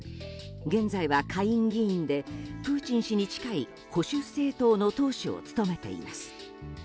現在は下院議員でプーチン氏に近い保守政党の党首を務めています。